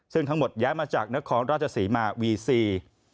ซึ่งทั้งหมดย้ายมาจากนครราชศรีมาวีซี